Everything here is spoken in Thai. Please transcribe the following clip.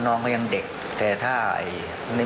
มันมีโอกาสเกิดอุบัติเหตุได้นะครับ